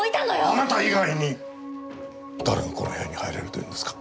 あなた以外に誰がこの部屋に入れるというんですか？